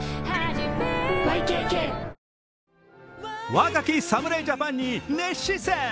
若き侍ジャパンに熱視線。